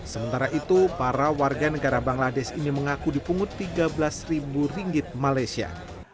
sementara itu para warga negara bangladesh ini mengaku dipungut tiga belas ringgit malaysia